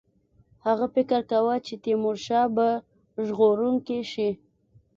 هغه فکر کاوه چې تیمورشاه به ژغورونکی شي.